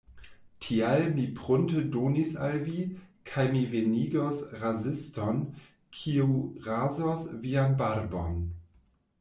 Tial, mi prunte donis al vi, kaj mi venigos raziston kiu razos vian barbon.